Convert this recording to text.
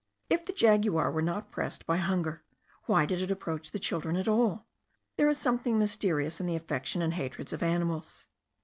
If the jaguar were not pressed by hunger, why did it approach the children at all? There is something mysterious in the affections and hatreds of animals.